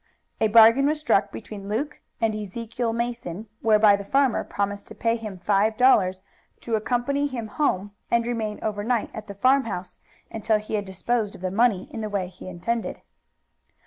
A bargain was struck between Luke and Ezekiel Mason whereby the farmer promised to pay him five dollars to accompany him home and remain overnight at the farmhouse until he had disposed of the money in the way he intended.